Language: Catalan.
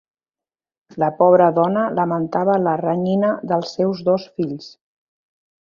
La pobra dona lamentava la renyina dels seus dos fills.